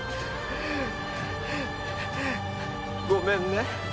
ごめんね。